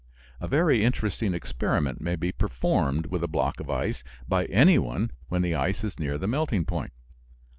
A very interesting experiment may be performed with a block of ice by anyone when the ice is near the melting point.